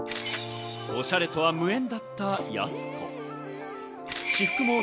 おしゃれとは無縁だった、やす子。